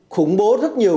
khủng bố rất nhiều